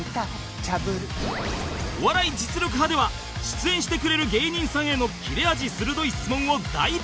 『お笑い実力刃』では出演してくれる芸人さんへの切れ味鋭い質問を大募集